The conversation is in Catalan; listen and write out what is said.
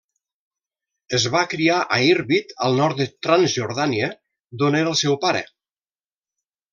Es va criar a Irbid al nord de Transjordània d'on era el seu pare.